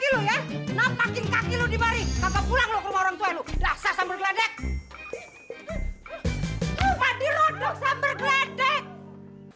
cuma dirodoh sambal geladek